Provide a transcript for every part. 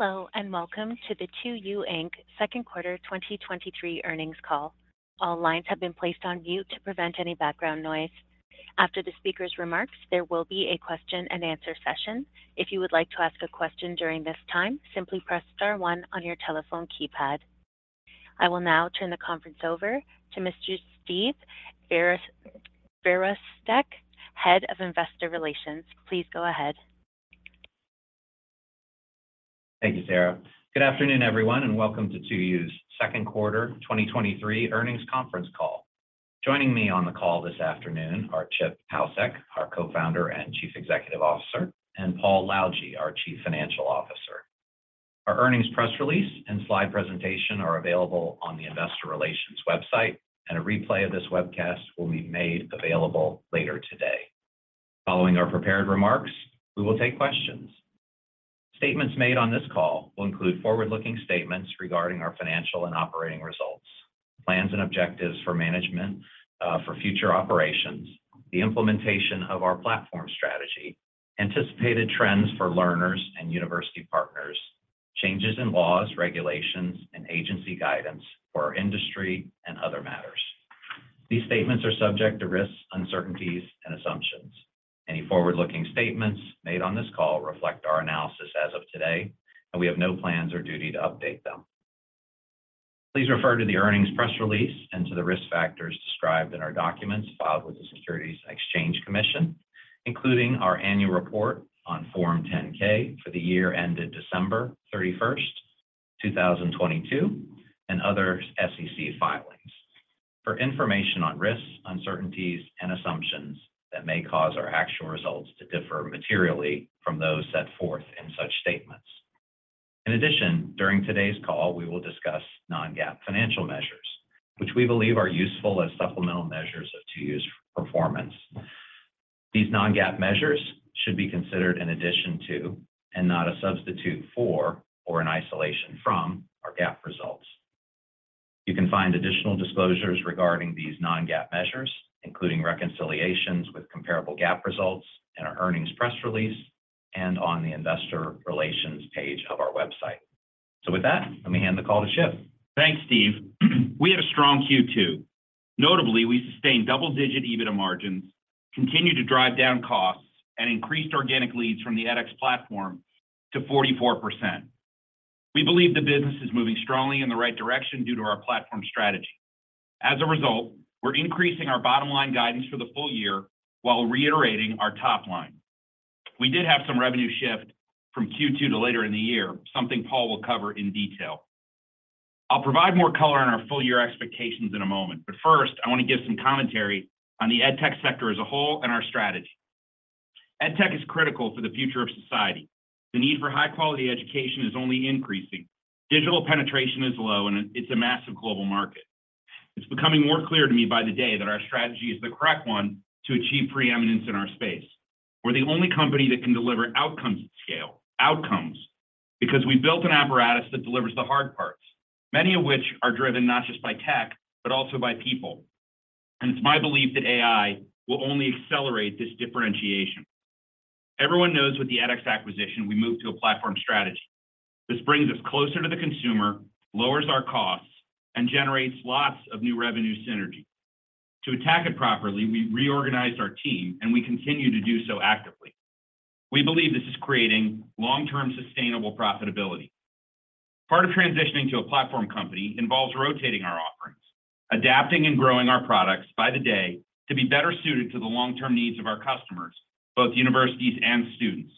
Hello, welcome to the 2U, Inc. Second Quarter 2023 Earnings Call. All lines have been placed on mute to prevent any background noise. After the speaker's remarks, there will be a question and answer session. If you would like to ask a question during this time, simply press star one on your telephone keypad. I will now turn the conference over to Mr. Steve Virostek, Head of Investor Relations. Please go ahead. Thank you, Sarah. Good afternoon, everyone, and welcome to 2U's Second Quarter 2023 Earnings Conference Call. Joining me on the call this afternoon are Chip Paucek, our Co-founder and Chief Executive Officer, and Paul Lalljie, our Chief Financial Officer. Our earnings press release and slide presentation are available on the investor relations website, and a replay of this webcast will be made available later today. Following our prepared remarks, we will take questions. Statements made on this call will include forward-looking statements regarding our financial and operating results, plans and objectives for management, for future operations, the implementation of our platform strategy, anticipated trends for learners and university partners, changes in laws, regulations, and agency guidance for our industry and other matters. These statements are subject to risks, uncertainties, and assumptions. Any forward-looking statements made on this call reflect our analysis as of today. We have no plans or duty to update them. Please refer to the earnings press release and to the risk factors described in our documents filed with the Securities and Exchange Commission, including our annual report on Form 10-K for the year ended December 31, 2022, and other SEC filings. For information on risks, uncertainties, and assumptions that may cause our actual results to differ materially from those set forth in such statements. In addition, during today's call, we will discuss non-GAAP financial measures, which we believe are useful as supplemental measures of 2U's performance. These non-GAAP measures should be considered in addition to, and not a substitute for or in isolation from, our GAAP results. You can find additional disclosures regarding these non-GAAP measures, including reconciliations with comparable GAAP results in our earnings press release and on the investor relations page of our website. With that, let me hand the call to Chip. Thanks, Steve. We had a strong Q2. Notably, we sustained double-digit EBITDA margins, continued to drive down costs, and increased organic leads from the edX platform to 44%. We believe the business is moving strongly in the right direction due to our platform strategy. As a result, we're increasing our bottom-line guidance for the full year while reiterating our top line. We did have some revenue shift from Q2 to later in the year, something Paul will cover in detail. I'll provide more color on our full year expectations in a moment, but first, I want to give some commentary on the EdTech sector as a whole and our strategy. EdTech is critical for the future of society. The need for high-quality education is only increasing. Digital penetration is low, and it's a massive global market. It's becoming more clear to me by the day that our strategy is the correct one to achieve preeminence in our space. We're the only company that can deliver outcomes at scale, outcomes, because we built an apparatus that delivers the hard parts, many of which are driven not just by tech, but also by people. It's my belief that AI will only accelerate this differentiation. Everyone knows with the edX acquisition, we moved to a platform strategy. This brings us closer to the consumer, lowers our costs, and generates lots of new revenue synergy. To attack it properly, we reorganized our team, and we continue to do so actively. We believe this is creating long-term, sustainable profitability. Part of transitioning to a platform company involves rotating our offerings, adapting and growing our products by the day to be better suited to the long-term needs of our customers, both universities and students.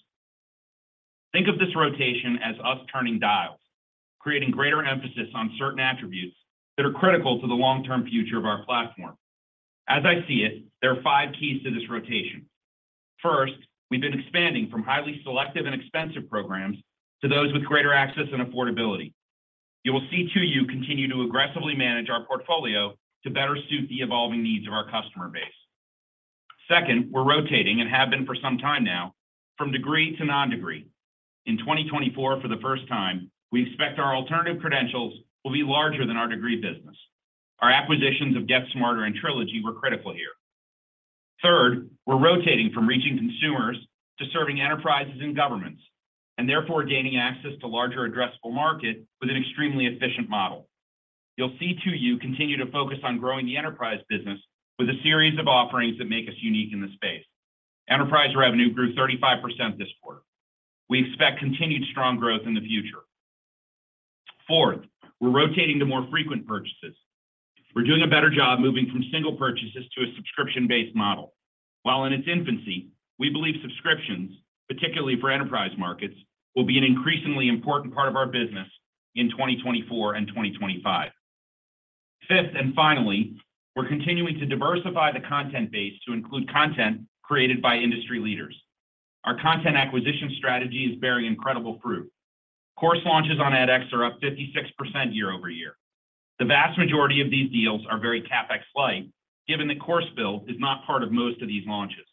Think of this rotation as us turning dials, creating greater emphasis on certain attributes that are critical to the long-term future of our platform. As I see it, there are five keys to this rotation. First, we've been expanding from highly selective and expensive programs to those with greater access and affordability. You will see 2U continue to aggressively manage our portfolio to better suit the evolving needs of our customer base. Second, we're rotating and have been for some time now, from degree to non-degree. In 2024, for the first time, we expect our alternative credentials will be larger than our degree business. Our acquisitions of GetSmarter and Trilogy were critical here. Third, we're rotating from reaching consumers to serving enterprises and governments, therefore gaining access to larger addressable market with an extremely efficient model. You'll see 2U continue to focus on growing the enterprise business with a series of offerings that make us unique in the space. Enterprise revenue grew 35% this quarter. We expect continued strong growth in the future. Fourth, we're rotating to more frequent purchases. We're doing a better job moving from single purchases to a subscription-based model. While in its infancy, we believe subscriptions, particularly for enterprise markets, will be an increasingly important part of our business in 2024 and 2025. Fifth, finally, we're continuing to diversify the content base to include content created by industry leaders. Our content acquisition strategy is bearing incredible fruit. Course launches on edX are up 56% year-over-year. The vast majority of these deals are very CapEx light, given that course build is not part of most of these launches.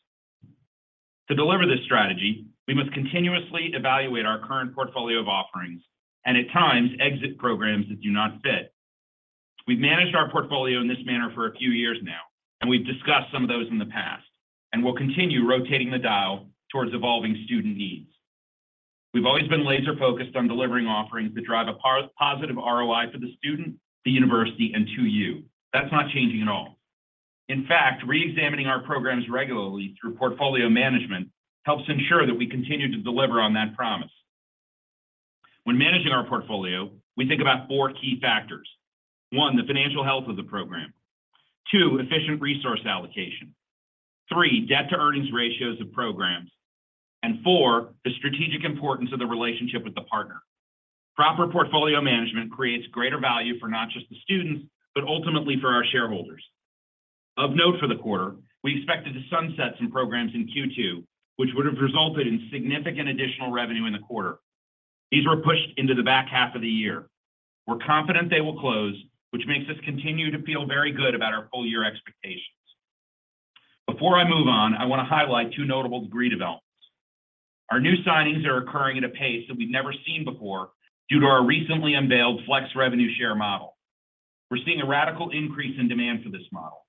To deliver this strategy, we must continuously evaluate our current portfolio of offerings and at times, exit programs that do not fit. We've managed our portfolio in this manner for a few years now, and we've discussed some of those in the past, and we'll continue rotating the dial towards evolving student needs. We've always been laser-focused on delivering offerings that drive a positive ROI for the student, the university, and 2U. That's not changing at all. In fact, reexamining our programs regularly through portfolio management helps ensure that we continue to deliver on that promise. When managing our portfolio, we think about four key factors: One, the financial health of the program. Two, efficient resource allocation. Three, debt-to-earnings ratios of programs, and four, the strategic importance of the relationship with the partner. Proper portfolio management creates greater value for not just the students, but ultimately for our shareholders. Of note for the quarter, we expected to sunset some programs in Q2, which would have resulted in significant additional revenue in the quarter. These were pushed into the back half of the year. We're confident they will close, which makes us continue to feel very good about our full year expectations. Before I move on, I want to highlight two notable degree developments. Our new signings are occurring at a pace that we've never seen before, due to our recently unveiled flex revenue share model. We're seeing a radical increase in demand for this model.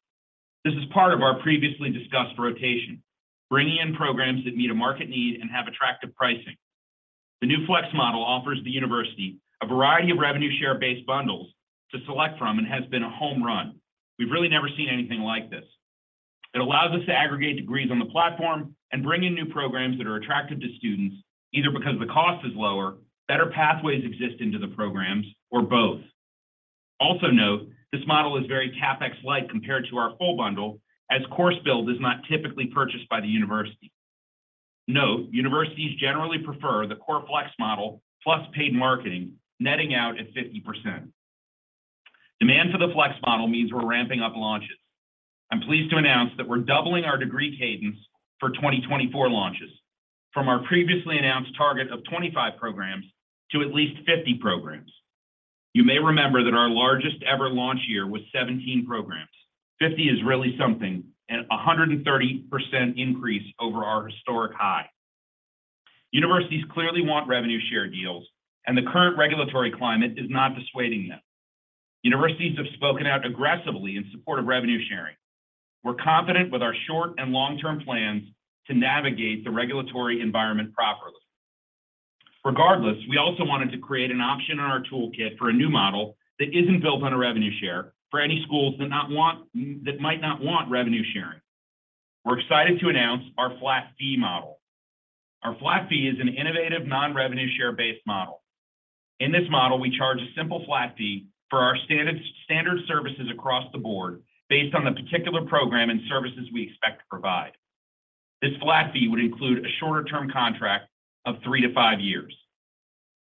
This is part of our previously discussed rotation, bringing in programs that meet a market need and have attractive pricing. The new flex model offers the university a variety of revenue share-based bundles to select from and has been a home run. We've really never seen anything like this. It allows us to aggregate degrees on the platform and bring in new programs that are attractive to students, either because the cost is lower, better pathways exist into the programs, or both. Also note, this model is very CapEx-like compared to our full bundle, as course build is not typically purchased by the university. Note, universities generally prefer the core flex model, plus paid marketing, netting out at 50%. Demand for the flex model means we're ramping up launches. I'm pleased to announce that we're doubling our degree cadence for 2024 launches, from our previously announced target of 25 programs to at least 50 programs. You may remember that our largest ever launch year was 17 programs. 50 is really something, and a 130% increase over our historic high. Universities clearly want revenue share deals, and the current regulatory climate is not dissuading them. Universities have spoken out aggressively in support of revenue sharing. We're confident with our short and long-term plans to navigate the regulatory environment properly. Regardless, we also wanted to create an option in our toolkit for a new model that isn't built on a revenue share for any schools that might not want revenue sharing. We're excited to announce our flat fee model. Our flat fee is an innovative non-revenue share-based model. In this model, we charge a simple flat fee for our standard, standard services across the board based on the particular program and services we expect to provide. This flat fee would include a shorter-term contract of three-five years.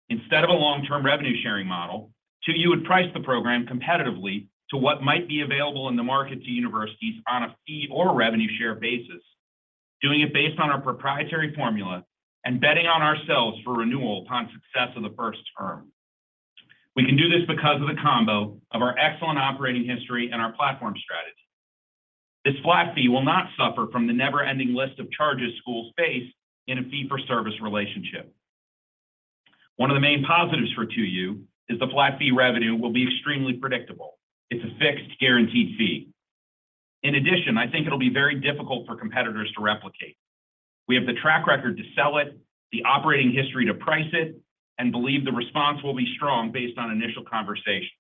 Instead of a long-term revenue sharing model, 2U would price the program competitively to what might be available in the market to universities on a fee or revenue share basis, doing it based on our proprietary formula and betting on ourselves for renewal upon success of the first term. We can do this because of the combo of our excellent operating history and our platform strategy. This flat fee will not suffer from the never-ending list of charges schools face in a fee-for-service relationship. One of the main positives for 2U is the flat fee revenue will be extremely predictable. It's a fixed, guaranteed fee. In addition, I think it'll be very difficult for competitors to replicate. We have the track record to sell it, the operating history to price it, and believe the response will be strong based on initial conversations.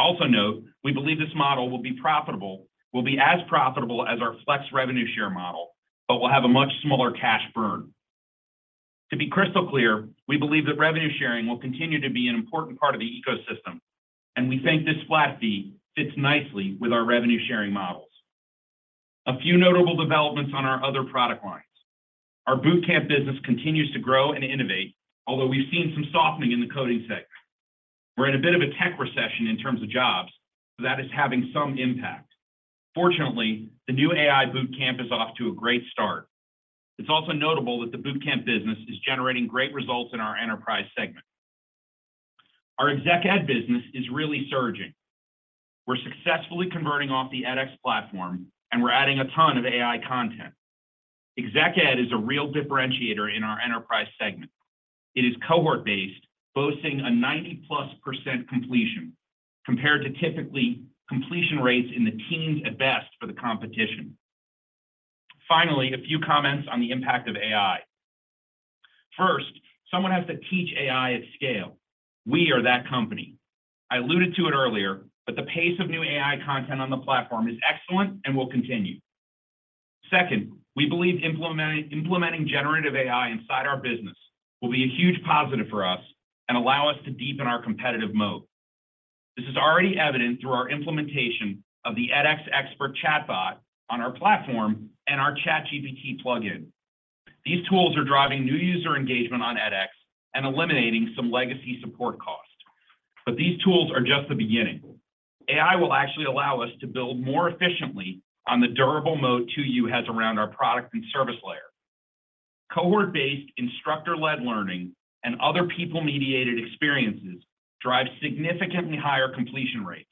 Note, we believe this model will be profitable, will be as profitable as our flex revenue share model, but will have a much smaller cash burn. To be crystal clear, we believe that revenue sharing will continue to be an important part of the ecosystem, we think this flat fee fits nicely with our revenue-sharing models. A few notable developments on our other product lines. Our boot camp business continues to grow and innovate, although we've seen some softening in the coding sector. We're in a bit of a tech recession in terms of jobs, that is having some impact. Fortunately, the new AI boot camp is off to a great start. It's also notable that the boot camp business is generating great results in our enterprise segment. Our exec ed business is really surging. We're successfully converting off the edX platform, we're adding a ton of AI content. Exec ed is a real differentiator in our enterprise segment. It is cohort-based, boasting a 90-plus % completion, compared to typically completion rates in the teens at best for the competition. Finally, a few comments on the impact of AI. First, someone has to teach AI at scale. We are that company. I alluded to it earlier, the pace of new AI content on the platform is excellent and will continue. Second, we believe implementing generative AI inside our business will be a huge positive for us and allow us to deepen our competitive moat. This is already evident through our implementation of the edX expert chatbot on our platform and our ChatGPT plugin. These tools are driving new user engagement on edX and eliminating some legacy support cost. These tools are just the beginning. AI will actually allow us to build more efficiently on the durable moat 2U has around our product and service layer. Cohort-based, instructor-led learning and other people-mediated experiences drive significantly higher completion rates.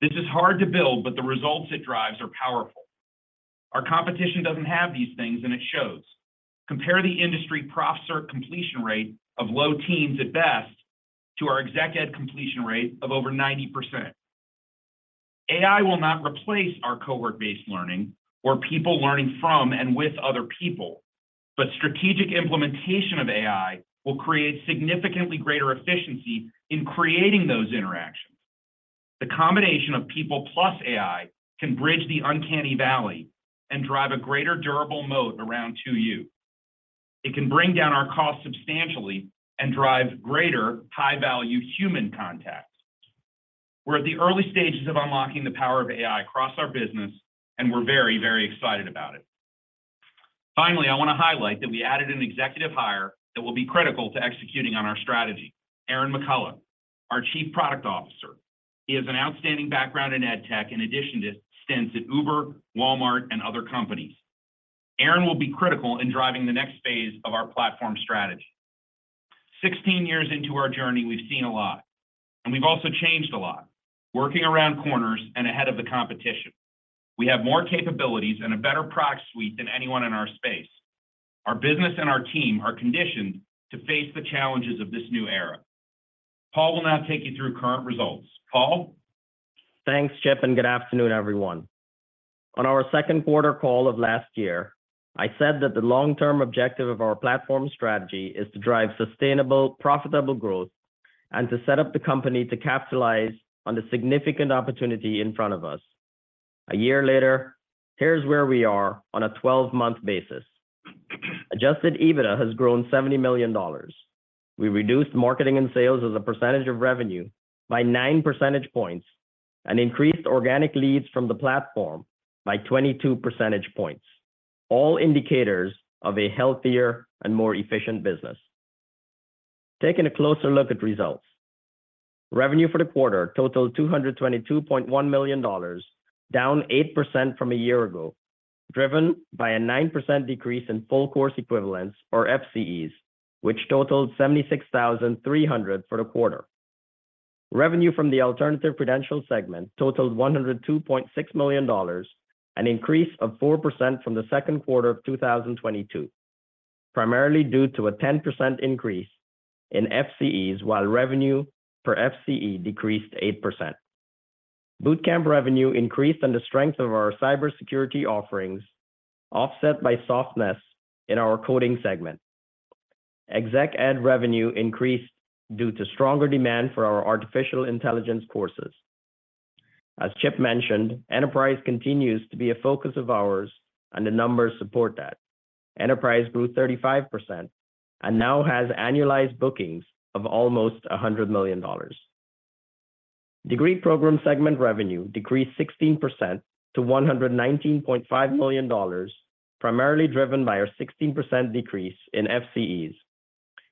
This is hard to build. The results it drives are powerful. Our competition doesn't have these things, and it shows. Compare the industry Prof Cert completion rate of low teens at best, to our exec ed completion rate of over 90%. AI will not replace our cohort-based learning or people learning from and with other people. Strategic implementation of AI will create significantly greater efficiency in creating those interactions. The combination of people plus AI can bridge the uncanny valley and drive a greater durable moat around 2U. It can bring down our costs substantially and drive greater high-value human contact. We're at the early stages of unlocking the power of AI across our business, and we're very, very excited about it. Finally, I wanna highlight that we added an executive hire that will be critical to executing on our strategy, Aaron McCullough, our Chief Product Officer. He has an outstanding background in EdTech, in addition to stints at Uber, Walmart, and other companies. Aaron will be critical in driving the next phase of our platform strategy. 16 years into our journey, we've seen a lot, and we've also changed a lot, working around corners and ahead of the competition. We have more capabilities and a better product suite than anyone in our space. Our business and our team are conditioned to face the challenges of this new era. Paul will now take you through current results. Paul? Thanks, Chip, and good afternoon, everyone. On our second quarter call of last year, I said that the long-term objective of our platform strategy is to drive sustainable, profitable growth and to set up the company to capitalize on the significant opportunity in front of us. A year later, here's where we are on a 12-month basis. Adjusted EBITDA has grown $70 million. We reduced marketing and sales as a percentage of revenue by 9 percentage points and increased organic leads from the platform by 22 percentage points, all indicators of a healthier and more efficient business. Taking a closer look at results. Revenue for the quarter totaled $222.1 million, down 8% from a year ago, driven by a 9% decrease in full course equivalents, or FCEs, which totaled 76,300 for the quarter. Revenue from the alternative credential segment totaled $102.6 million, an increase of 4% from the second quarter of 2022, primarily due to a 10% increase in FCEs, while revenue per FCE decreased 8%. Bootcamp revenue increased on the strength of our cybersecurity offerings, offset by softness in our coding segment. Exec ed revenue increased due to stronger demand for our Artificial Intelligence courses. As Chip mentioned, enterprise continues to be a focus of ours, and the numbers support that. Enterprise grew 35% and now has annualized bookings of almost $100 million. Degree program segment revenue decreased 16% to $119.5 million, primarily driven by a 16% decrease in FCEs,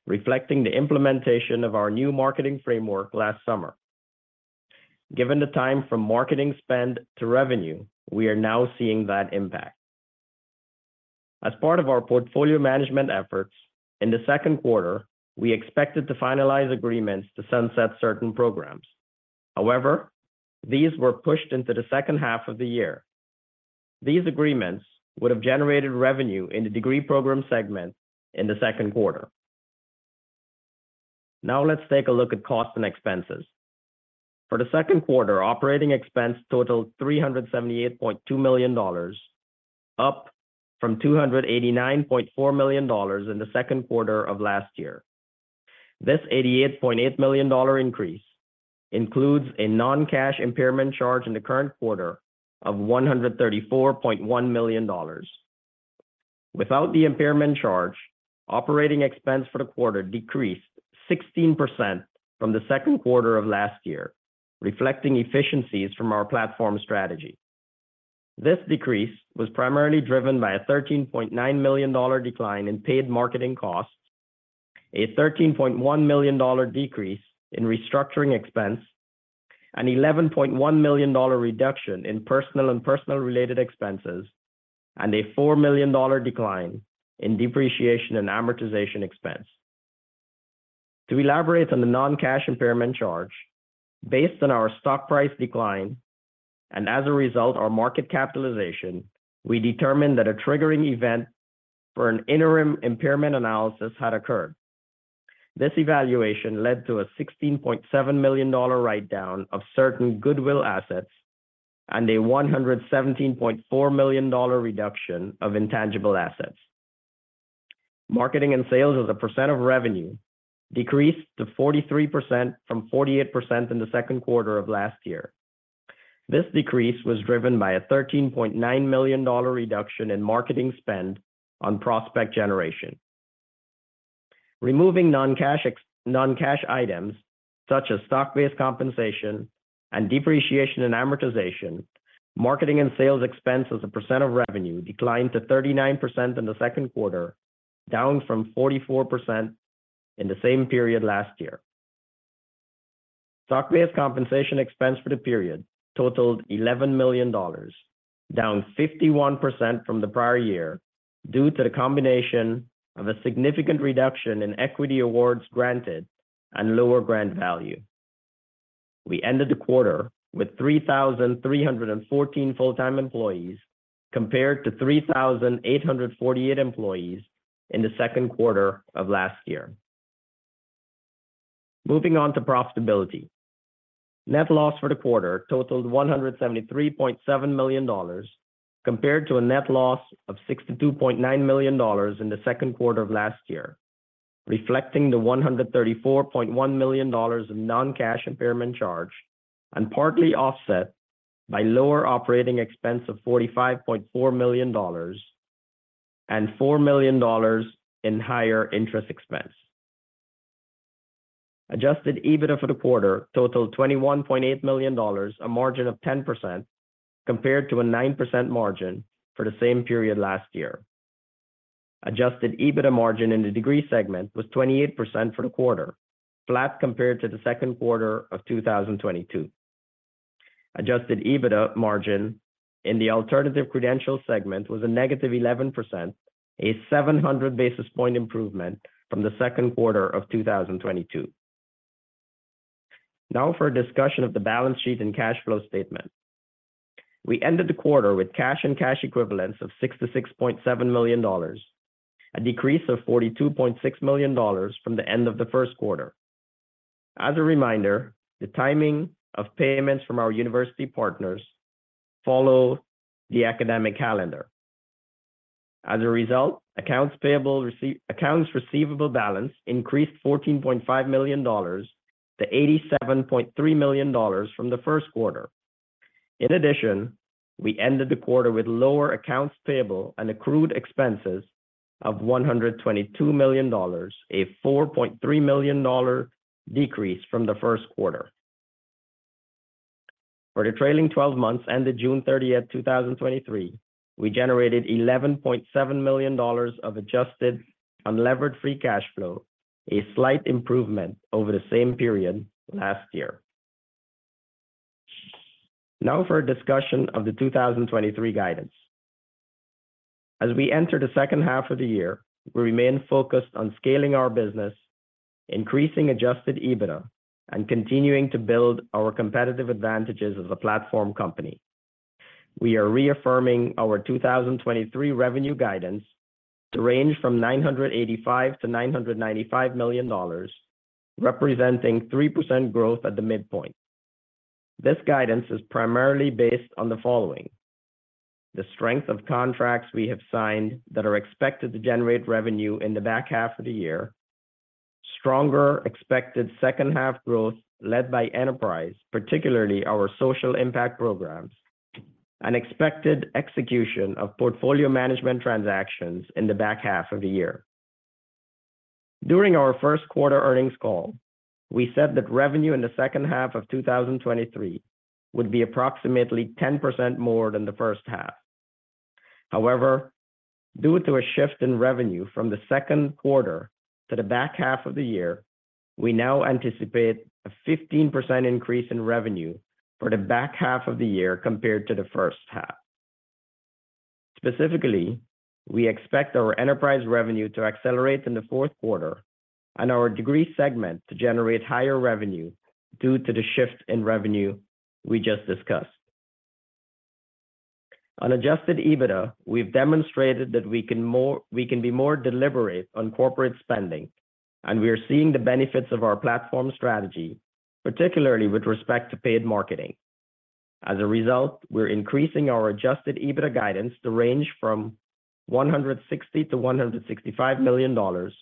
reflecting the implementation of our new marketing framework last summer. Given the time from marketing spend to revenue, we are now seeing that impact. As part of our portfolio management efforts, in the second quarter, we expected to finalize agreements to sunset certain programs. However, these were pushed into the second half of the year. These agreements would have generated revenue in the degree program segment in the second quarter. Let's take a look at costs and expenses. For the second quarter, OpEx totaled $378.2 million, up from $289.4 million in the second quarter of last year. This $88.8 million increase includes a non-cash impairment charge in the current quarter of $134.1 million. Without the impairment charge, OpEx for the quarter decreased 16% from the second quarter of last year, reflecting efficiencies from our platform strategy. This decrease was primarily driven by a $13.9 million decline in paid marketing costs, a $13.1 million decrease in restructuring expense, an $11.1 million reduction in personnel and personnel-related expenses, and a $4 million decline in depreciation and amortization expense. To elaborate on the non-cash impairment charge, based on our stock price decline, and as a result, our market capitalization, we determined that a triggering event for an interim impairment analysis had occurred. This evaluation led to a $16.7 million write-down of certain goodwill assets and a $117.4 million reduction of intangible assets. Marketing and sales as a percent of revenue decreased to 43% from 48% in the second quarter of last year. This decrease was driven by a $13.9 million reduction in marketing spend on prospect generation. Removing non-cash items such as stock-based compensation and depreciation and amortization, marketing and sales expense as a percent of revenue declined to 39% in the second quarter, down from 44% in the same period last year. Stock-based compensation expense for the period totaled $11 million, down 51% from the prior year, due to the combination of a significant reduction in equity awards granted and lower grant value. We ended the quarter with 3,314 full-time employees, compared to 3,848 employees in the second quarter of last year. Moving on to profitability. Net loss for the quarter totaled $173.7 million, compared to a net loss of $62.9 million in the second quarter of last year, reflecting the $134.1 million in non-cash impairment charge, and partly offset by lower operating expense of $45.4 million and $4 million in higher interest expense. Adjusted EBITDA for the quarter totaled $21.8 million, a margin of 10%, compared to a 9% margin for the same period last year. Adjusted EBITDA margin in the degree segment was 28% for the quarter, flat compared to the second quarter of 2022. Adjusted EBITDA margin in the alternative credentials segment was a negative 11%, a 700 basis point improvement from the second quarter of 2022. Now for a discussion of the balance sheet and cash flow statement. We ended the quarter with cash and cash equivalents of $66.7 million, a decrease of $42.6 million from the end of the first quarter. As a reminder, the timing of payments from our university partners follow the academic calendar. As a result, accounts receivable balance increased $14.5 million to $87.3 million from the first quarter. In addition, we ended the quarter with lower accounts payable and accrued expenses of $122 million, a $4.3 million decrease from the first quarter. For the trailing 12 months ended June 30th, 2023, we generated $11.7 million of adjusted unlevered free cash flow, a slight improvement over the same period last year. Now for a discussion of the 2023 guidance. As we enter the second half of the year, we remain focused on scaling our business, increasing Adjusted EBITDA, and continuing to build our competitive advantages as a platform company. We are reaffirming our 2023 revenue guidance to range from $985 million-$995 million, representing 3% growth at the midpoint. This guidance is primarily based on the following: The strength of contracts we have signed that are expected to generate revenue in the back half of the year, stronger expected second half growth led by enterprise, particularly our social impact programs, and expected execution of portfolio management transactions in the back half of the year. During our first quarter earnings call, we said that revenue in the second half of 2023 would be approximately 10% more than the first half. However, due to a shift in revenue from the second quarter to the back half of the year, we now anticipate a 15% increase in revenue for the back half of the year compared to the first half. Specifically, we expect our enterprise revenue to accelerate in the fourth quarter and our degree segment to generate higher revenue due to the shift in revenue we just discussed. On Adjusted EBITDA, we've demonstrated that we can be more deliberate on corporate spending, and we are seeing the benefits of our platform strategy, particularly with respect to paid marketing. As a result, we're increasing our Adjusted EBITDA guidance to range from $160 million-$165 million,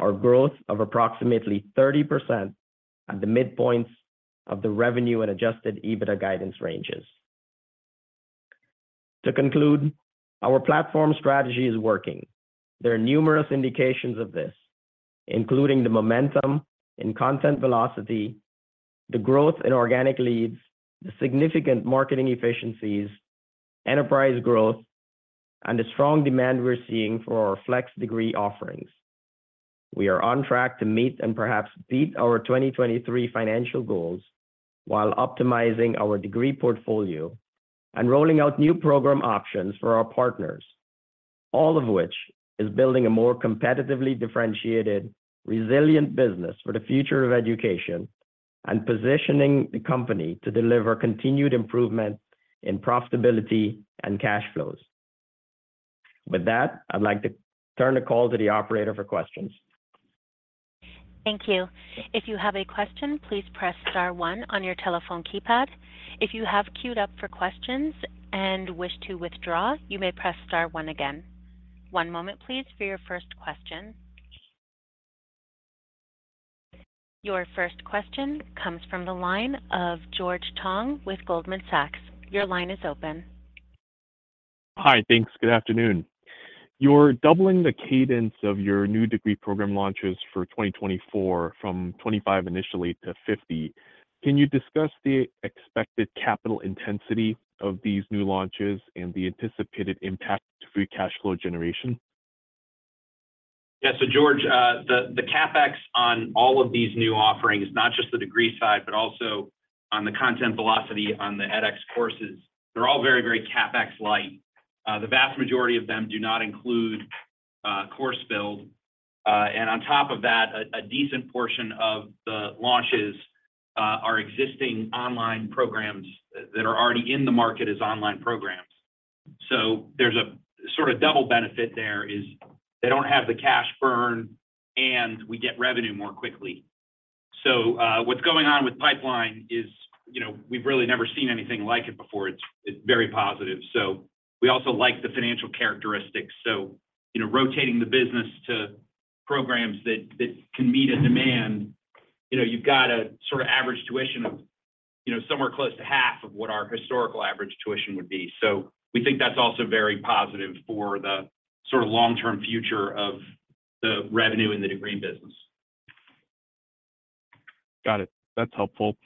or growth of approximately 30% at the midpoint of the revenue and Adjusted EBITDA guidance ranges. To conclude, our platform strategy is working. There are numerous indications of this, including the momentum in content velocity, the growth in organic leads, the significant marketing efficiencies, enterprise growth, and the strong demand we're seeing for our flex degree offerings. We are on track to meet and perhaps beat our 2023 financial goals while optimizing our degree portfolio and rolling out new program options for our partners. All of which is building a more competitively differentiated, resilient business for the future of education and positioning the company to deliver continued improvement in profitability and cash flows. With that, I'd like to turn the call to the operator for questions. Thank you. If you have a question, please press star one on your telephone keypad. If you have queued up for questions and wish to withdraw, you may press star one again. One moment, please, for your first question. Your first question comes from the line of George Tong with Goldman Sachs. Your line is open. Hi, thanks. Good afternoon. You're doubling the cadence of your new degree program launches for 2024 from 25 initially to 50. Can you discuss the expected capital intensity of these new launches and the anticipated impact to free cash flow generation? Yeah. George, the, the CapEx on all of these new offerings, not just the degree side, but also on the content velocity on the edX courses, they're all very, very CapEx light. The vast majority of them do not include, course build. On top of that, a, a decent portion of the launches, are existing online programs that are already in the market as online programs. There's a sort of double benefit there, is they don't have the cash burn, and we get revenue more quickly. What's going on with pipeline is, you know, we've really never seen anything like it before. It's, it's very positive. We also like the financial characteristics. You know, rotating the business to programs that, that can meet a demand, you know, you've got a sort of average tuition of, you know, somewhere close to half of what our historical average tuition would be. We think that's also very positive for the sort of long-term future of the revenue in the degree business. Got it. That's helpful.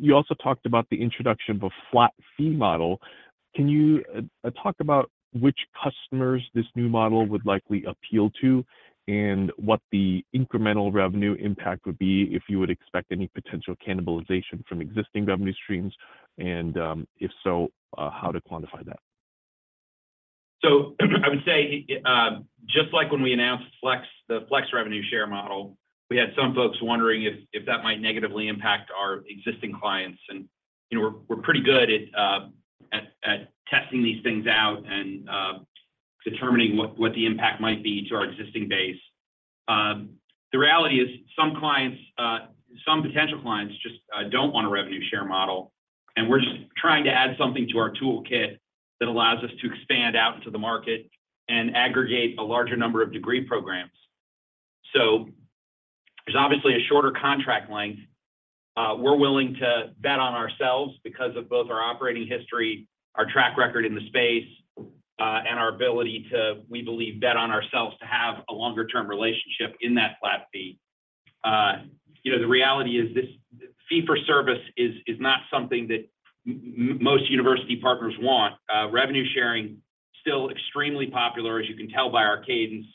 You also talked about the introduction of a flat fee model. Can you talk about which customers this new model would likely appeal to, and what the incremental revenue impact would be if you would expect any potential cannibalization from existing revenue streams? If so, how to quantify that? I would say, just like when we announced flex, the flex revenue share model, we had some folks wondering if that might negatively impact our existing clients. You know, we're, we're pretty good at testing these things out and determining what the impact might be to our existing base. The reality is some clients, some potential clients just don't want a revenue share model, and we're just trying to add something to our toolkit that allows us to expand out into the market and aggregate a larger number of degree programs. There's obviously a shorter contract length. We're willing to bet on ourselves because of both our operating history, our track record in the space, and our ability to, we believe, bet on ourselves to have a longer-term relationship in that flat fee. You know, the reality is this fee-for-service is, is not something that most university partners want. Revenue sharing, still extremely popular, as you can tell by our cadence,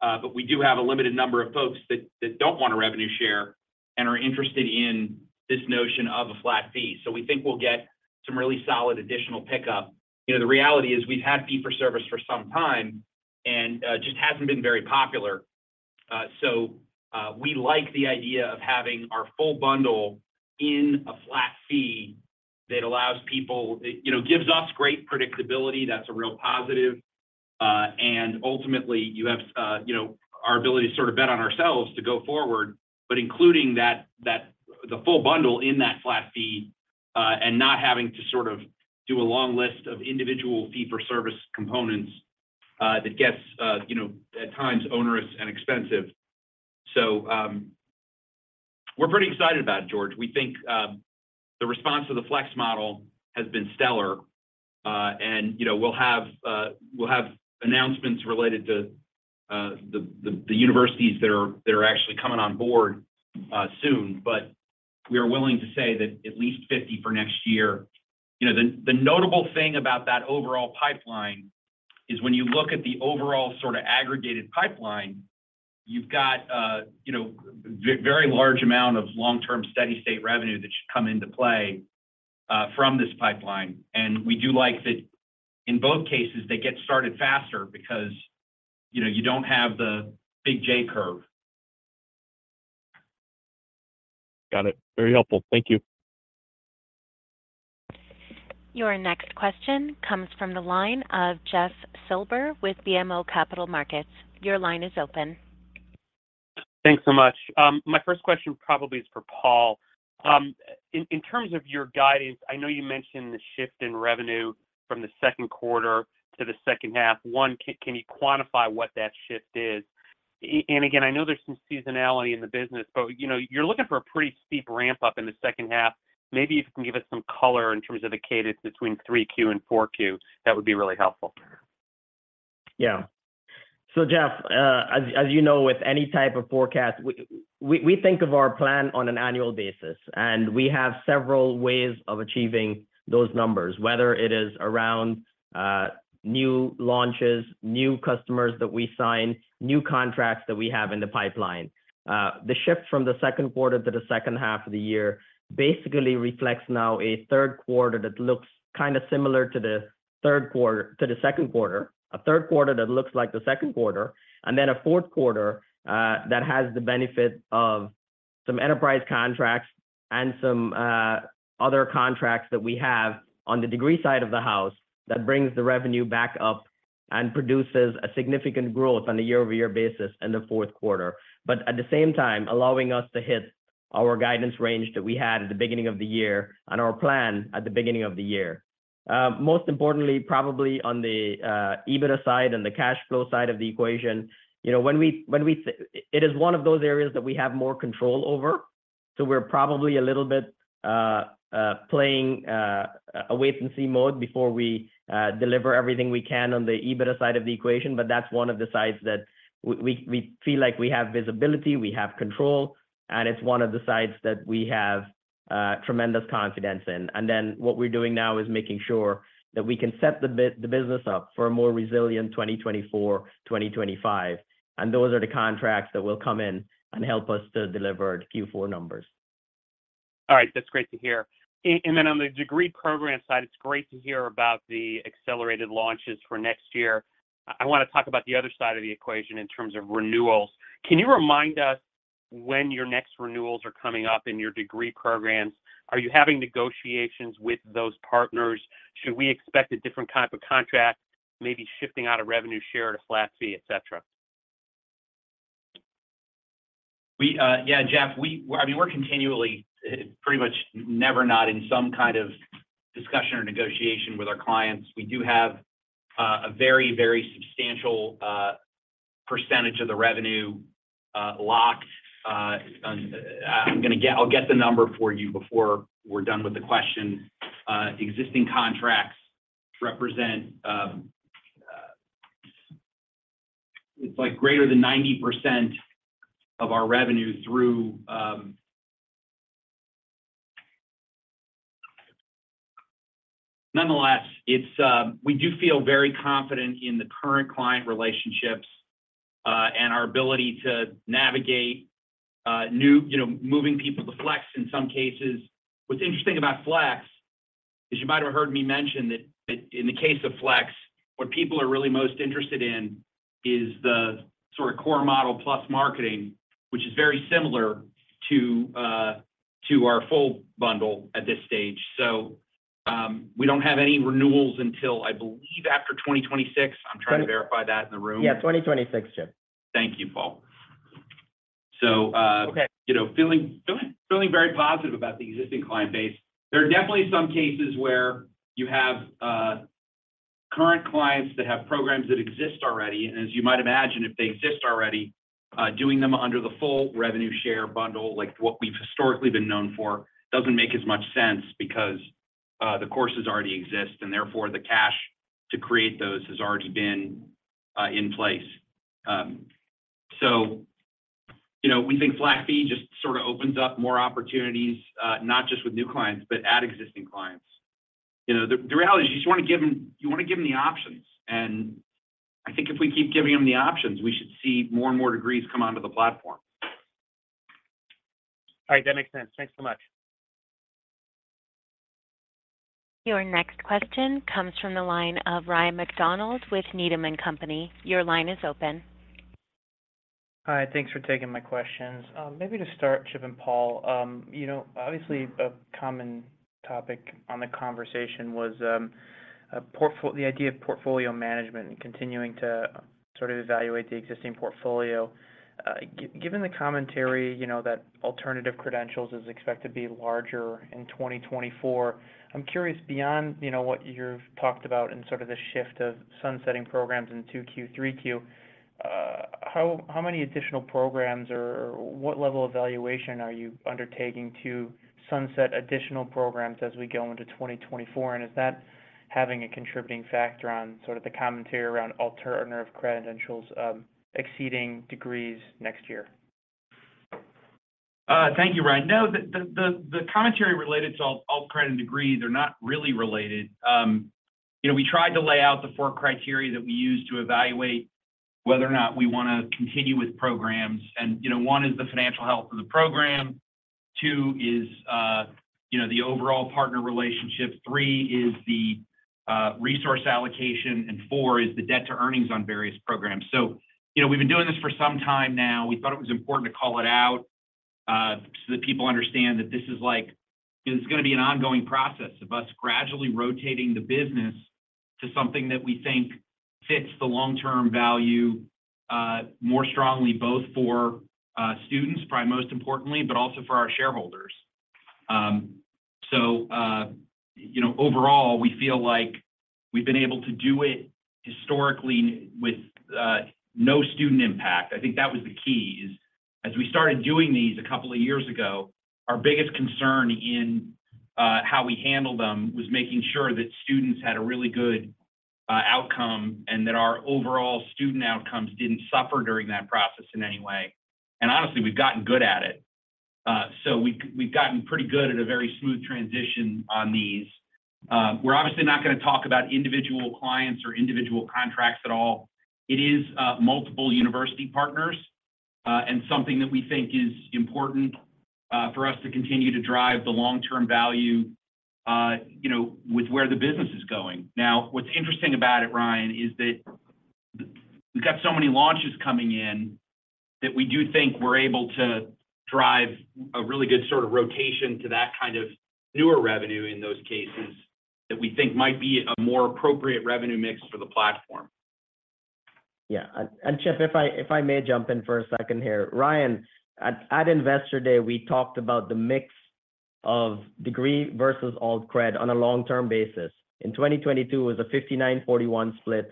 but we do have a limited number of folks that don't want a revenue share and are interested in this notion of a flat fee. We think we'll get some really solid additional pickup. You know, the reality is we've had fee-for-service for some time, and just hasn't been very popular. We like the idea of having our full bundle in a flat fee that allows people, you know, gives us great predictability. That's a real positive. Ultimately, you have, you know, our ability to sort of bet on ourselves to go forward, but including that, the full bundle in that flat fee, and not having to sort of do a long list of individual fee-for-service components, that gets, you know, at times onerous and expensive. We're pretty excited about it, George. We think, the response to the Flex model has been stellar. You know, we'll have, we'll have announcements related to the universities that are actually coming on board, soon. We are willing to say that at least 50 for next year. You know, the, the notable thing about that overall pipeline is when you look at the overall sort of aggregated pipeline, you've got, you know, very large amount of long-term, steady-state revenue that should come into play, from this pipeline. We do like that in both cases, they get started faster because, you know, you don't have the big J-curve. Got it. Very helpful. Thank you. Your next question comes from the line of Jeff Silber with BMO Capital Markets. Your line is open. Thanks so much. My first question probably is for Paul. In terms of your guidance, I know you mentioned the shift in revenue from the second quarter to the second half. One, can you quantify what that shift is? Again, I know there's some seasonality in the business, but, you know, you're looking for a pretty steep ramp-up in the second half. Maybe you can give us some color in terms of the cadence between 3Q and 4Q. That would be really helpful. Yeah. Jeff, as, as you know, with any type of forecast, we, we, we think of our plan on an annual basis, and we have several ways of achieving those numbers, whether it is around new launches, new customers that we sign, new contracts that we have in the pipeline. The shift from the second quarter to the second half of the year basically reflects now a third quarter that looks kinda similar to the third quarter, to the second quarter, a third quarter that looks like the second quarter, and then a fourth quarter that has the benefit of some enterprise contracts and some other contracts that we have on the degree side of the house that brings the revenue back up and produces a significant growth on a year-over-year basis in the fourth quarter. At the same time, allowing us to hit our guidance range that we had at the beginning of the year and our plan at the beginning of the year. Most importantly, probably on the EBITDA side and the cash flow side of the equation, you know, when we, it is one of those areas that we have more control over, so we're probably a little bit playing a wait-and-see mode before we deliver everything we can on the EBITDA side of the equation. That's one of the sides that we feel like we have visibility, we have control, and it's one of the sides that we have tremendous confidence in. Then what we're doing now is making sure that we can set the business up for a more resilient 2024, 2025, and those are the contracts that will come in and help us to deliver Q4 numbers. All right, that's great to hear. Then on the degree program side, it's great to hear about the accelerated launches for next year. I want to talk about the other side of the equation in terms of renewals. Can you remind us when your next renewals are coming up in your degree programs? Are you having negotiations with those partners? Should we expect a different type of contract, maybe shifting out a revenue share to flat fee, et cetera? We, yeah, Jeff, we, I mean, we're continually, pretty much never not in some kind of discussion or negotiation with our clients. We do have a very, very substantial percentage of the revenue locked. I'll get the number for you before we're done with the question. Existing contracts represent, it's like greater than 90% of our revenue through. Nonetheless, it's, we do feel very confident in the current client relationships and our ability to navigate new, you know, moving people to Flex in some cases. What's interesting about Flex, as you might have heard me mention, that in the case of Flex, what people are really most interested in is the sort of core model plus marketing, which is very similar to our full bundle at this stage. We don't have any renewals until, I believe, after 2026. I'm trying to verify that in the room. Yeah, 2026, Chip. Thank you, Paul. Okay. You know, feeling, feeling, feeling very positive about the existing client base. There are definitely some cases where you have current clients that have programs that exist already. As you might imagine, if they exist already, doing them under the full revenue share bundle, like what we've historically been known for, doesn't make as much sense because the courses already exist. Therefore, the cash to create those has already been in place. You know, we think flat fee just sort of opens up more opportunities, not just with new clients, but add existing clients. You know, the, the reality is you just want to give them the options. I think if we keep giving them the options, we should see more and more degrees come onto the platform. All right, that makes sense. Thanks so much. Your next question comes from the line of Ryan MacDonald with Needham & Company. Your line is open. Hi, thanks for taking my questions. Maybe to start, Chip and Paul, you know, obviously, a common topic on the conversation was the idea of portfolio management and continuing to sort of evaluate the existing portfolio. Given the commentary, you know, that alternative credentials is expected to be larger in 2024, I'm curious, beyond, you know, what you've talked about in sort of the shift of sunsetting programs in 2Q, 3Q, how, how many additional programs or what level of evaluation are you undertaking to sunset additional programs as we go into 2024? And is that having a contributing factor on sort of the commentary around alternative credentials exceeding degrees next year? Thank you, Ryan. No, the, the, the, the commentary related to alt, alt credit degrees are not really related. You know, we tried to lay out the fourcriteria that we use to evaluate whether or not we want to continue with programs. One is the financial health of the program, two is, you know, the overall partner relationship, three is the resource allocation, and four is the debt-to-earnings on various programs. We've been doing this for some time now. We thought it was important to call it out so that people understand that this is like, this is going to be an ongoing process of us gradually rotating the business to something that we think fits the long-term value more strongly, both for students, probably most importantly, but also for our shareholders. You know, overall, we feel like we've been able to do it historically with no student impact. I think that was the key, is as we started doing these a couple of years ago, our biggest concern in how we handled them was making sure that students had a really good outcome and that our overall student outcomes didn't suffer during that process in any way. Honestly, we've gotten good at it. We've, we've gotten pretty good at a very smooth transition on these. We're obviously not going to talk about individual clients or individual contracts at all. It is multiple university partners, and something that we think is important for us to continue to drive the long-term value, you know, with where the business is going. What's interesting about it, Ryan, is that we've got so many launches coming in, that we do think we're able to drive a really good sort of rotation to that kind of newer revenue in those cases, that we think might be a more appropriate revenue mix for the platform. Yeah, Chip, if I, if I may jump in for a second here. Ryan, at Investor Day, we talked about the mix of degree versus AltCred on a long-term basis. In 2022, it was a 59, 41 split,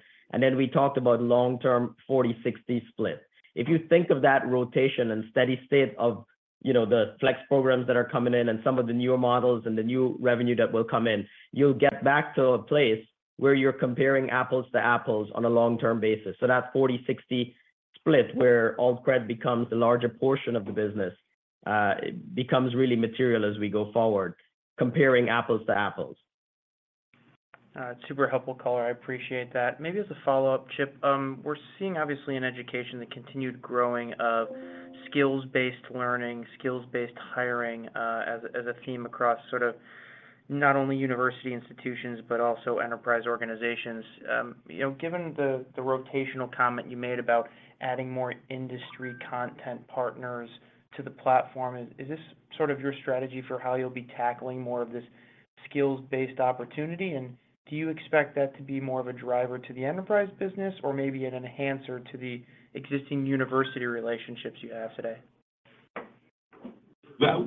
we talked about long-term 40, 60 split. If you think of that rotation and steady state of, you know, the flex programs that are coming in and some of the newer models and the new revenue that will come in, you'll get back to a place where you're comparing apples to apples on a long-term basis. That 40, 60 split, where AltCred becomes a larger portion of the business, it becomes really material as we go forward, comparing apples to apples. Super helpful color. I appreciate that. Maybe as a follow-up, Chip, we're seeing obviously in education, the continued growing of skills-based learning, skills-based hiring, as, as a theme across sort of not only university institutions, but also enterprise organizations. You know, given the, the rotational comment you made about adding more industry content partners to the platform, is, is this sort of your strategy for how you'll be tackling more of this skills-based opportunity? Do you expect that to be more of a driver to the enterprise business, or maybe an enhancer to the existing university relationships you have today?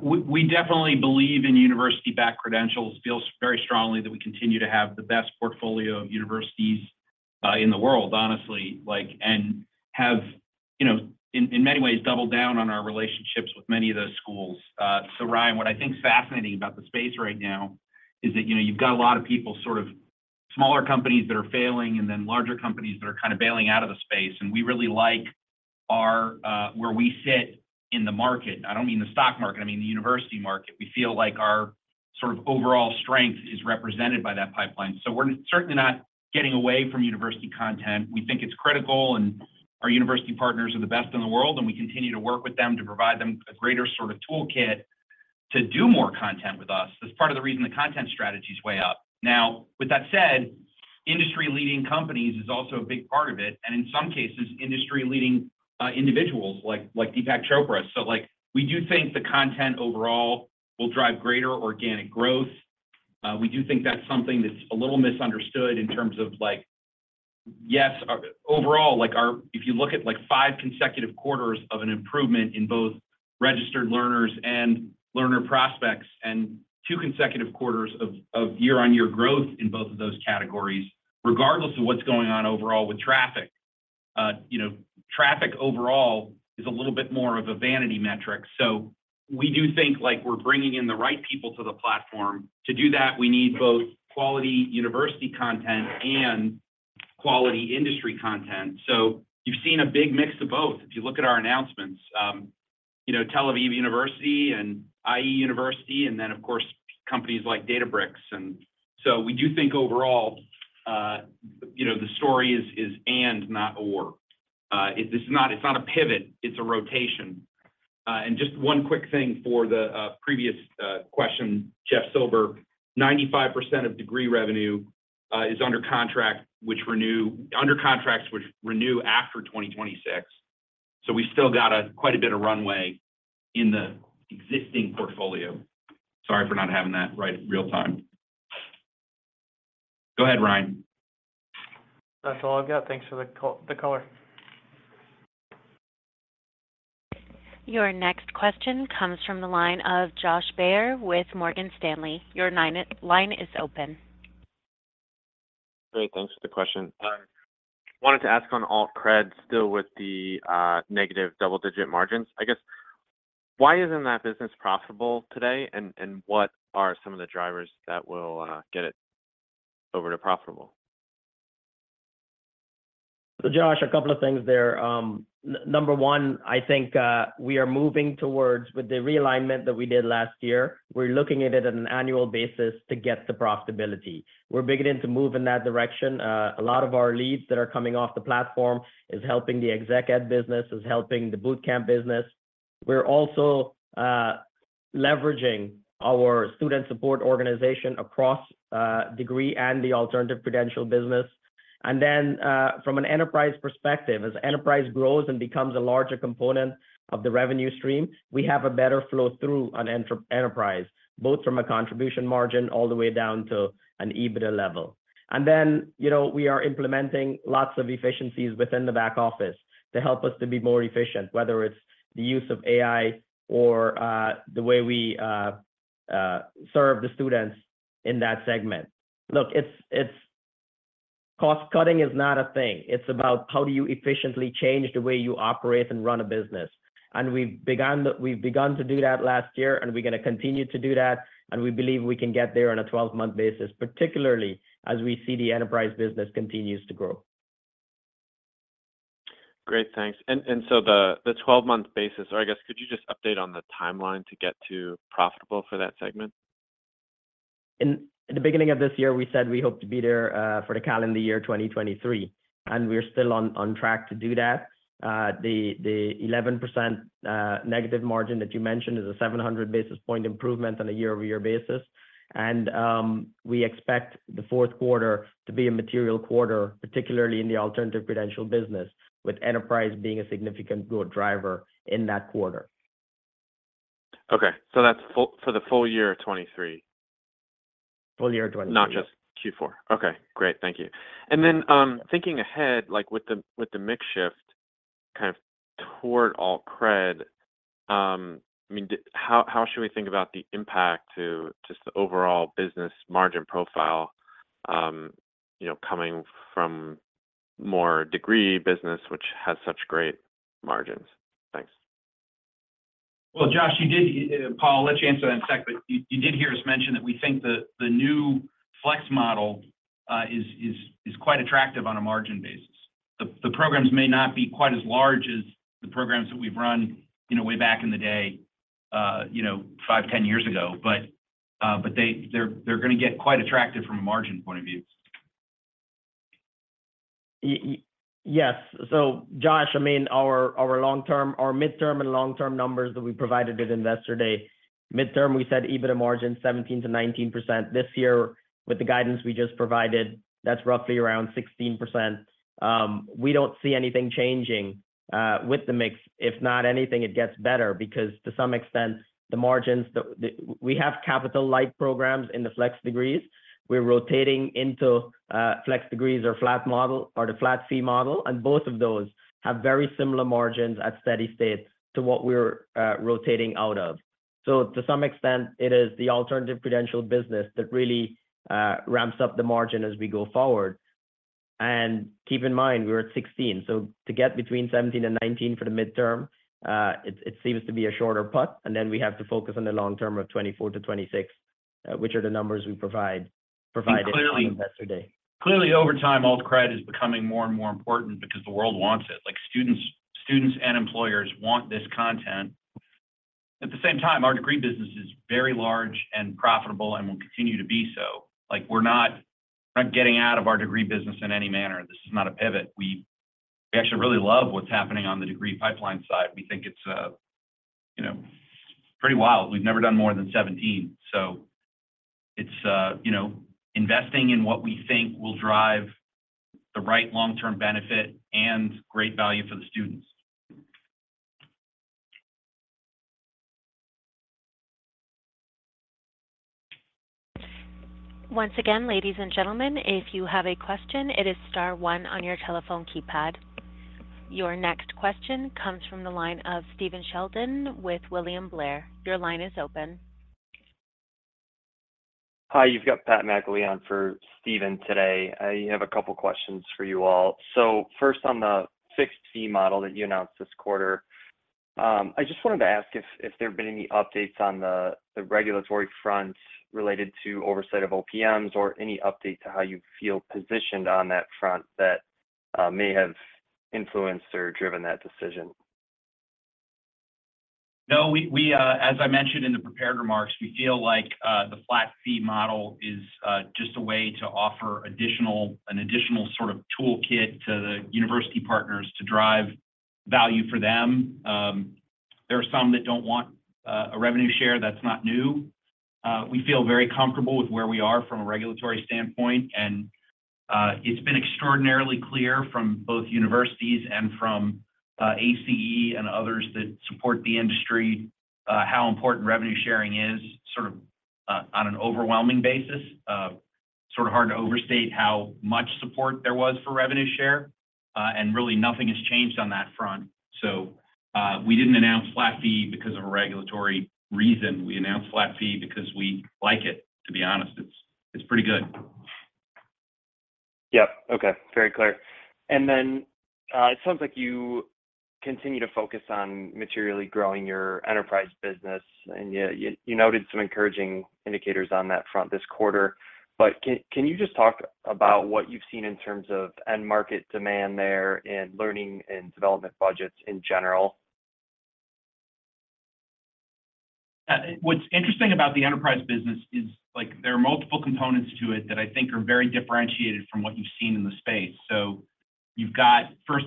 We, we definitely believe in university-backed credentials, feels very strongly that we continue to have the best portfolio of universities in the world, honestly. Like, have, you know, in, in many ways, doubled down on our relationships with many of those schools. Ryan, what I think is fascinating about the space right now is that, you know, you've got a lot of people, sort of smaller companies that are failing and then larger companies that are kinda bailing out of the space. We really like our where we sit in the market. I don't mean the stock market, I mean the university market. We feel like our sort of overall strength is represented by that pipeline. We're certainly not getting away from university content. We think it's critical, and our university partners are the best in the world, and we continue to work with them to provide them a greater sort of toolkit to do more content with us. That's part of the reason the content strategy's way up. Now, with that said, industry-leading companies is also a big part of it, and in some cases, industry-leading individuals, like, like Deepak Chopra. Like, we do think the content overall will drive greater organic growth. We do think that's something that's a little misunderstood in terms of like, yes, overall, like our-- if you look at, like five consecutive quarters of an improvement in both registered learners and learner prospects, and two consecutive quarters of year-on-year growth in both of those categories, regardless of what's going on overall with traffic, you know, traffic overall is a little bit more of a vanity metric. We do think, like we're bringing in the right people to the platform. To do that, we need both quality university content and quality industry content. You've seen a big mix of both. If you look at our announcements, you know, Tel Aviv University and IE University, and then of course, companies like Databricks. We do think overall, you know, the story is, is and, not or. This is not, it's not a pivot, it's a rotation. Just one quick thing for the previous question, Jeff Silber. 95% of degree revenue is under contract, which renew Under contracts, which renew after 2026. We still got a quite a bit of runway in the existing portfolio. Sorry for not having that right real time. Go ahead, Ryan. That's all I've got. Thanks for the color. Your next question comes from the line of Josh Baer with Morgan Stanley. Your line is open. Great, thanks for the question. I wanted to ask on AltCred, still with the negative double-digit margins. I guess, why isn't that business profitable today? And what are some of the drivers that will get it over to profitable? Josh, a couple of things there. Number one, I think, we are moving towards-- with the realignment that we did last year, we're looking at it on an annual basis to get to profitability. We're beginning to move in that direction. A lot of our leads that are coming off the platform is helping the exec ed business, is helping the boot camp business. We're also leveraging our student support organization across degree and the alternative credential business. Then, from an enterprise perspective, as enterprise grows and becomes a larger component of the revenue stream, we have a better flow through on enterprise, both from a contribution margin all the way down to an EBITDA level. You know, we are implementing lots of efficiencies within the back office to help us to be more efficient, whether it's the use of AI or the way we serve the students in that segment. Look, it's, it's, cost cutting is not a thing. It's about how do you efficiently change the way you operate and run a business. We've begun to do that last year, and we're gonna continue to do that, and we believe we can get there on a 12-month basis, particularly as we see the enterprise business continues to grow. Great, thanks. The 12-month basis, or I guess, could you just update on the timeline to get to profitable for that segment? In, at the beginning of this year, we said we hope to be there, for the calendar year 2023, and we're still on, on track to do that. The 11% negative margin that you mentioned is a 700 basis point improvement on a year-over-year basis. We expect the fourth quarter to be a material quarter, particularly in the alternative credential business, with enterprise being a significant growth driver in that quarter. Okay. that's full- for the full year of 2023? Full year of 2023. Not just Q4. Okay, great. Thank you. Thinking ahead, like with the, with the mix shift, kind of toward AltCred, I mean, how should we think about the impact to just the overall business margin profile, you know, coming from more degree business, which has such great margins? Thanks. Well, Josh, you did. Paul, I'll let you answer that in a sec, but you, you did hear us mention that we think the, the new Flex model is, is, is quite attractive on a margin basis. The, the programs may not be quite as large as the programs that we've run, you know, way back in the day, you know, 5, 10 years ago. They, they're, they're gonna get quite attractive from a margin point of view. Yes. Josh, I mean, our, our long-term, our midterm and long-term numbers that we provided at Investor Day, midterm, we said EBITDA margin 17%-19%. This year, with the guidance we just provided, that's roughly around 16%. We don't see anything changing with the mix. If not anything, it gets better because to some extent, the margins, the, the, we have capital-light programs in the flex degrees. We're rotating into flex degrees or flat model or the flat fee model, both of those have very similar margins at steady state to what we're rotating out of. To some extent, it is the alternative credential business that really ramps up the margin as we go forward. Keep in mind, we're at 16. To get between 17 and 19 for the midterm, it seems to be a shorter putt, and then we have to focus on the long term of 2024-2026, which are the numbers we provided to Investor Day. Clearly, over time, AltCred is becoming more and more important because the world wants it. Like, students, students and employers want this content. At the same time, our degree business is very large and profitable and will continue to be so. Like, we're not, we're not getting out of our degree business in any manner. This is not a pivot. We, we actually really love what's happening on the degree pipeline side. We think it's, you know, pretty wild. We've never done more than 17, so it's, you know, investing in what we think will drive the right long-term benefit and great value for the students. Once again, ladies and gentlemen, if you have a question, it is star 1 on your telephone keypad. Your next question comes from the line of Stephen Sheldon with William Blair. Your line is open. Hi, you've got Pat McAleer on for Stephen today. I have a couple questions for you all. First on the fixed fee model that you announced this quarter, I just wanted to ask if, if there have been any updates on the, the regulatory front related to oversight of OPMs, or any update to how you feel positioned on that front that may have influenced or driven that decision. No, we, we, as I mentioned in the prepared remarks, we feel like the flat fee model is just a way to offer an additional sort of toolkit to the university partners to drive value for them. There are some that don't want a revenue share, that's not new. We feel very comfortable with where we are from a regulatory standpoint, and it's been extraordinarily clear from both universities and from ACE and others that support the industry, how important revenue sharing is, sort of, on an overwhelming basis. Sort of hard to overstate how much support there was for revenue share, and really nothing has changed on that front. We didn't announce flat fee because of a regulatory reason. We announced flat fee because we like it, to be honest. It's, it's pretty good. Yep. Okay, very clear. It sounds like you continue to focus on materially growing your enterprise business, and you, you, you noted some encouraging indicators on that front this quarter. Can, can you just talk about what you've seen in terms of end market demand there and learning and development budgets in general? What's interesting about the enterprise business is, like, there are multiple components to it that I think are very differentiated from what you've seen in the space. You've got, first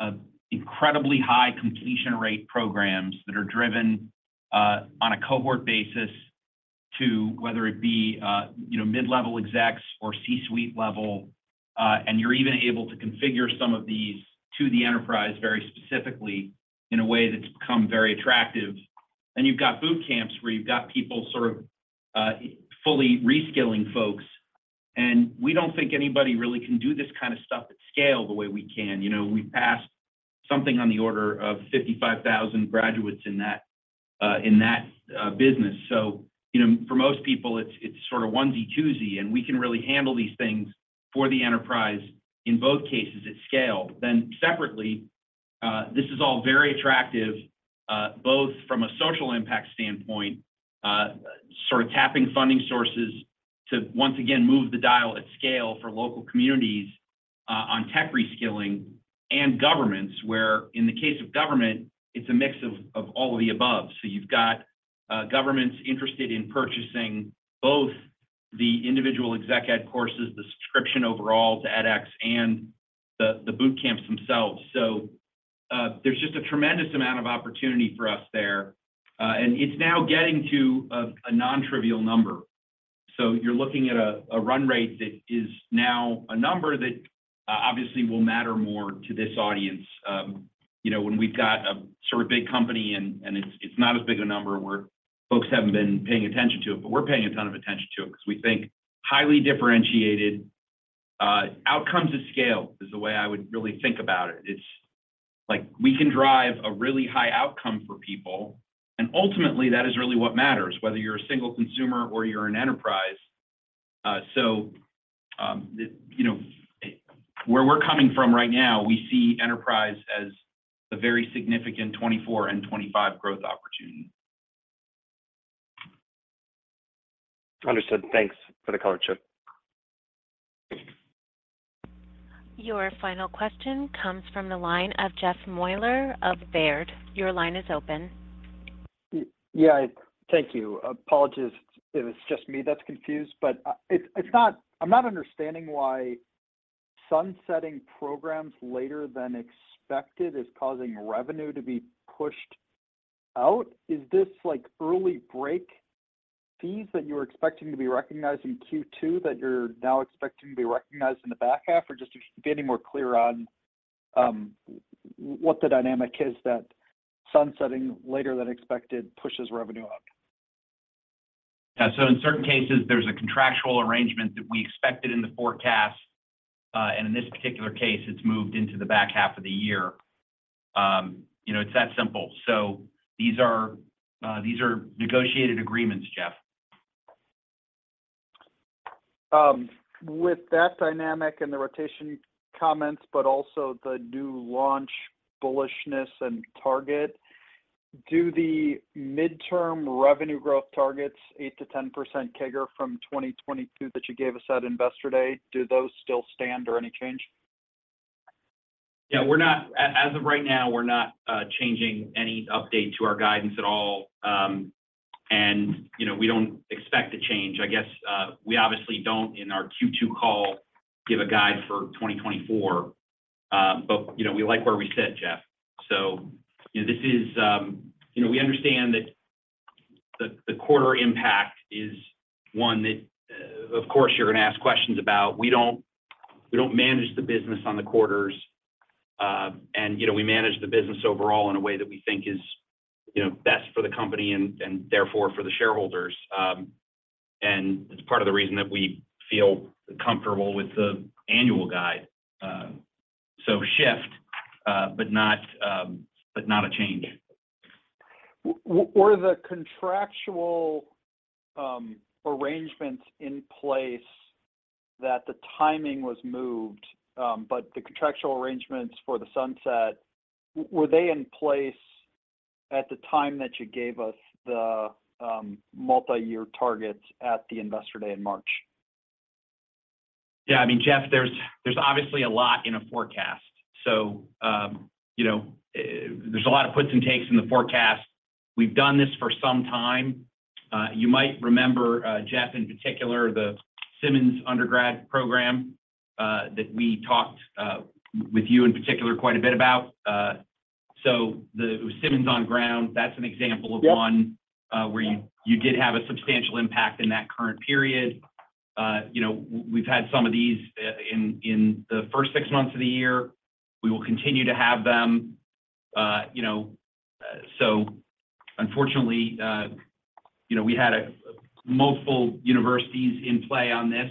of all, a incredibly high completion rate programs that are driven, on a cohort basis to whether it be, you know, mid-level execs or C-suite level. You're even able to configure some of these to the enterprise very specifically in a way that's become very attractive. You've got boot camps, where you've got people sort of, fully reskilling folks, and we don't think anybody really can do this kind of stuff at scale the way we can. You know, we passed something on the order of 55,000 graduates in that, in that, business. You know, for most people, it's sort of onesie, twosie, we can really handle these things for the enterprise in both cases at scale. Separately, this is all very attractive, both from a social impact standpoint, sort of tapping funding sources to once again move the dial at scale for local communities, on tech reskilling and governments, where in the case of government, it's a mix of all of the above. You've got governments interested in purchasing both the individual exec ed courses, the subscription overall to edX, and the boot camps themselves. There's just a tremendous amount of opportunity for us there, it's now getting to a nontrivial number. You're looking at a run rate that is now a number that obviously will matter more to this audience. You know, when we've got a sort of big company and, and it's, it's not as big a number where folks haven't been paying attention to it, but we're paying a ton of attention to it because we think highly differentiated outcomes of scale is the way I would really think about it. It's like we can drive a really high outcome for people, and ultimately, that is really what matters, whether you're a single consumer or you're an enterprise. You know, where we're coming from right now, we see enterprise as a very significant 2024 and 2025 growth opportunity. Understood. Thanks for the color, Chip. Your final question comes from the line of Jeff Meuler of Baird. Your line is open. Yeah, thank you. Apologies if it's just me that's confused, but, it's not I'm not understanding why sunsetting programs later than expected is causing revenue to be pushed out. Is this, like, early break fees that you were expecting to be recognized in Q2 that you're now expecting to be recognized in the back half? Just getting more clear on what the dynamic is that sunsetting later than expected pushes revenue out? Yeah, so in certain cases, there's a contractual arrangement that we expected in the forecast, and in this particular case, it's moved into the back half of the year. You know, it's that simple. These are negotiated agreements, Jeff. With that dynamic and the rotation comments, but also the new launch bullishness and target, do the midterm revenue growth targets, 8%-10% CAGR from 2022 that you gave us at Investor Day, do those still stand or any change? Yeah, we're not. As of right now, we're not changing any update to our guidance at all. You know, we don't expect to change. I guess, we obviously don't, in our Q2 call, give a guide for 2024. You know, we like where we sit, Jeff. You know, this is. You know, we understand that the, the quarter impact is one that, of course, you're gonna ask questions about. We don't, we don't manage the business on the quarters, you know, we manage the business overall in a way that we think is, you know, best for the company and, and therefore for the shareholders. It's part of the reason that we feel comfortable with the annual guide. Shift, but not a change. Were the contractual arrangements in place, that the timing was moved, but the contractual arrangements for the sunset, were they in place at the time that you gave us the multi-year targets at the Investor Day in March? Yeah, I mean, Jeff, there's, there's obviously a lot in a forecast. You know, there's a lot of puts and takes in the forecast. We've done this for some time. You might remember, Jeff, in particular, the Simmons undergrad program, that we talked with you in particular quite a bit about. So the Simmons On-Ground, that's an example of one. Yep. Where you, you did have a substantial impact in that current period. You know, we've had some of these in the first six months of the year. We will continue to have them. You know, unfortunately, you know, we had a multiple universities in play on this,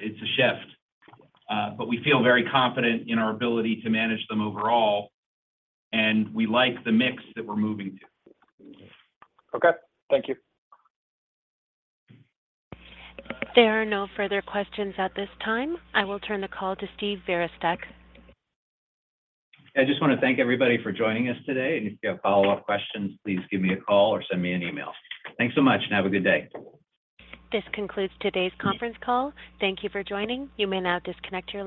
it's a shift. We feel very confident in our ability to manage them overall, and we like the mix that we're moving to. Okay, thank you. There are no further questions at this time. I will turn the call to Steve Virostek. I just want to thank everybody for joining us today, and if you have follow-up questions, please give me a call or send me an email. Thanks so much, and have a good day. This concludes today's conference call. Thank Thank you for joining. You may now disconnect your line.